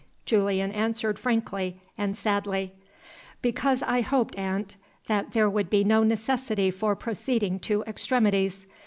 Julian answered frankly and sadly. "Because I hoped, aunt, that there would be no necessity for proceeding to extremities.